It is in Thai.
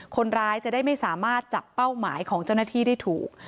คนร้ายจะได้ไม่สามารถจับเป้าหมายของเจ้าหน้าที่ได้ถูก